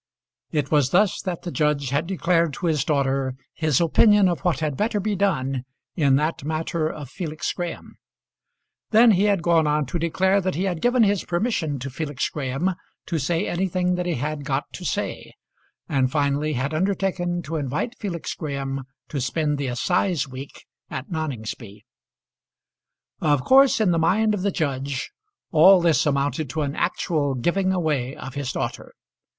It was thus that the judge had declared to his daughter his opinion of what had better be done in that matter of Felix Graham. Then he had gone on to declare that he had given his permission to Felix Graham to say anything that he had got to say, and finally had undertaken to invite Felix Graham to spend the assize week at Noningsby. Of course in the mind of the judge all this amounted to an actual giving away of his daughter.